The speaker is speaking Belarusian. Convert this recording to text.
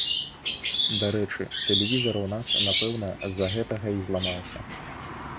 Дарэчы, тэлевізар у нас, напэўна, з-за гэтага і зламаўся.